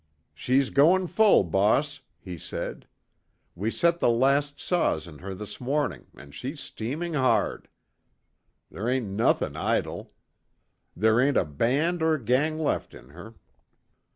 "She's goin' full, boss," he said. "We set the last saws in her this mornin' an' she's steaming hard. Ther' ain't nothin' idle. Ther' ain't a' band' or 'gang' left in her."